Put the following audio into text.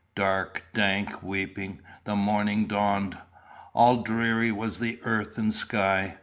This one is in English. Dark, dank, weeping, the morning dawned. All dreary was the earth and sky.